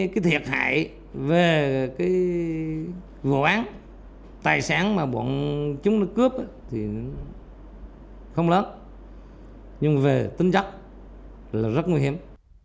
không lớn nhưng về tính chất là rất nguy hiểm